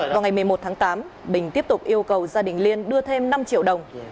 vào ngày một mươi một tháng tám bình tiếp tục yêu cầu gia đình liên đưa thêm năm triệu đồng